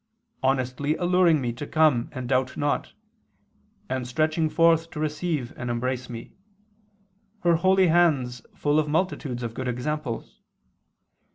. honestly alluring me to come and doubt not, and stretching forth to receive and embrace me, her holy hands full of multitudes of good examples.